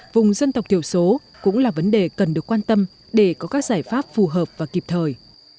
vùng dân tộc thiểu số cũng là vấn đề cần được quan tâm để có các giải pháp phù hợp và kịp thời